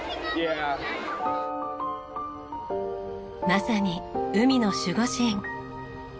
まさに海の守護神。